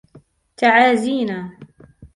تعازينا.